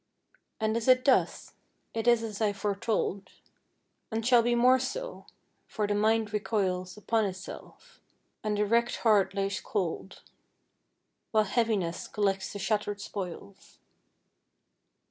And is it thus? it is as I foretold, And shall be more so; for the mind recoils Upon itself, and the wrecked heart lies cold, While Heaviness collects the shattered spoils.